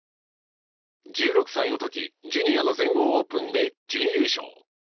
１６歳の時、ジュニアの全豪オープンで準優勝。